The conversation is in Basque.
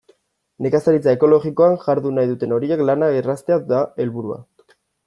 Nekazaritza ekologikoan jardun nahi duten horiei lanak erraztea da helburua.